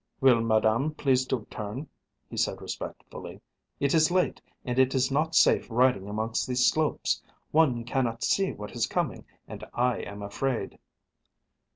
"Will Madame please to turn?" he said respectfully. "It is late, and it is not safe riding amongst these slopes. One cannot see what is coming and I am afraid."